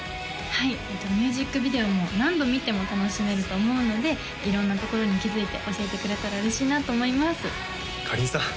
はいミュージックビデオも何度見ても楽しめると思うので色んなところに気づいて教えてくれたら嬉しいなと思いますかりんさん